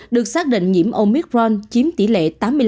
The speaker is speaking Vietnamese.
được xác định nhiễm omicron chiếm tỷ lệ tám mươi năm